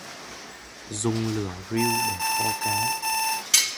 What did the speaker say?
Dùng lửa riu để kho cá